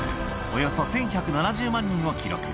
およそ１１７０万人を記録。